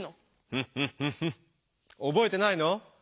フッフッフッフおぼえてないの？